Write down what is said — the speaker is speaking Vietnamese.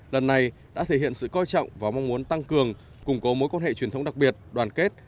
lần này đã thể hiện sự coi trọng và mong muốn tăng cường củng cố mối quan hệ truyền thống đặc biệt đoàn kết